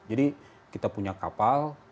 jadi kita punya kapal